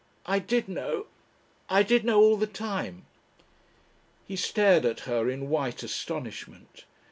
I did know. I did know all the time." He stared at her in white astonishment.